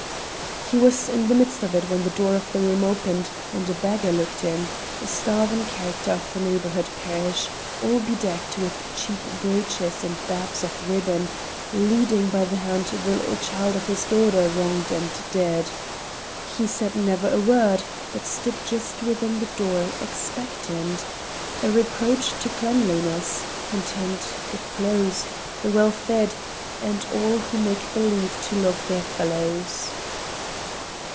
He was in the midst of it when the door of the room opened and a beggar looked in a starven character of the neighbourhood parish, all bedecked with cheap brooches and babs of ribbon, leading by the hand the little child of his daughter wronged and dead. He said never a word but stood just within the door expectant a reproach to cleanliness, content, good clothes, the well fed, and all who make believe to love their fellows.